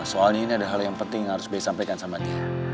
soalnya ini ada hal yang penting yang harus by sampaikan sama dia